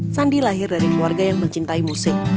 sandi lahir dari keluarga yang mencintai musik